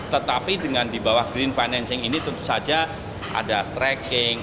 tetapi dengan di bawah green financing ini tentu saja ada tracking